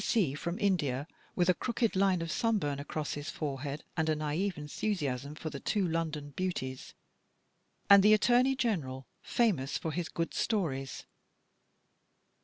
D. C. from India, with a crooked line of sun burn across his forehead and a naive enthusi asm for the two London beauties ; and the Attorney General, famous for his good stories.